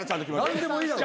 何でもいいだろ。